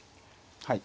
はい。